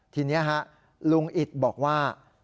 ทีนี้ลุงอิตบอกว่า